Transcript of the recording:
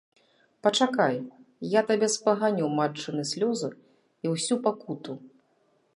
Пачакай, я табе спаганю матчыны слёзы і ўсю пакуту!